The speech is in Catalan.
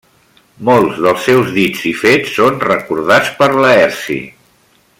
Molts dels seus dits i fets són recordats per Laerci.